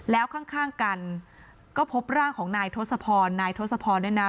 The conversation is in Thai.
แล้วข้างกันก็พบร่างของนายทศพรนายทศพรเนี่ยนะ